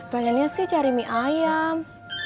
pengennya sih cari mie ayam